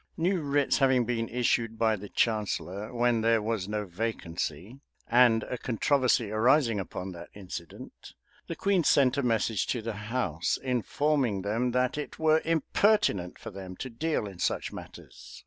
New writs having been issued by the chancellor when there was no vacancy, and a controversy arising upon that incident, the queen sent a message to the house, informing them that it were impertinent for them to deal in such matters.